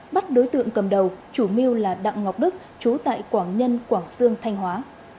bắt đối tượng cầm đầu chủ mưu là đặng ngọc đức chú tại quảng nhân quảng sương thanh hóa